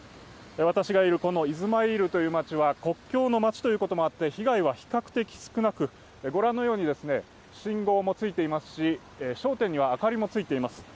私がいるイズマイールという街は国境の街ということもあって被害は比較的少なくご覧のように信号もついていますし、商店には明かりもついています。